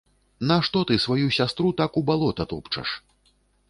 Нашто ты сваю сястру так у балота топчаш?